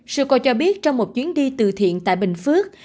sư cô cho biết trong một chuyến đi từ thiện tại bình phước